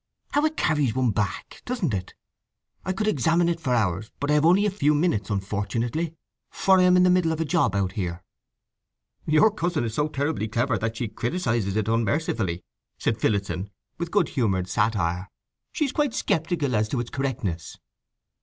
How it carries one back, doesn't it! I could examine it for hours, but I have only a few minutes, unfortunately; for I am in the middle of a job out here." "Your cousin is so terribly clever that she criticizes it unmercifully," said Phillotson, with good humoured satire. "She is quite sceptical as to its correctness."